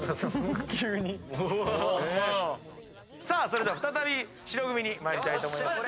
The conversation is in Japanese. それでは再び白組に参りたいと思います。